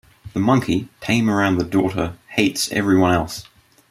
The monkey, tame around the daughter, hates everyone else.